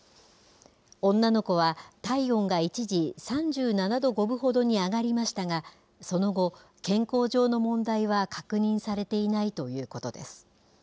女の子は、体温が一時３７度５分ほどに上がりましたが、その後、健康上の問題は確認されていないということです。